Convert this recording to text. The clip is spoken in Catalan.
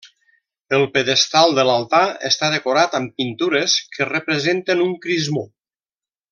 El pedestal de l'altar està decorat amb pintures que representen un crismó.